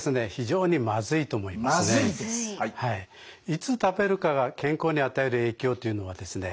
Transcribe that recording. いつ食べるかが健康に与える影響というのはですね